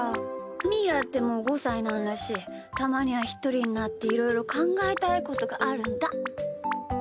みーだってもう５さいなんだしたまにはひとりになっていろいろかんがえたいことがあるんだ。